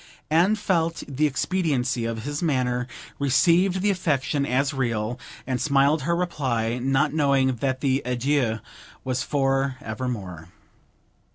Anne felt the expediency of his manner, received the affectation as real, and smiled her reply, not knowing that the adieu was for evermore.